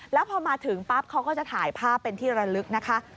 แล้วพอมาถึงปั๊บเขาก็จะถ่ายภาพเป็นที่ระลึกนะคะ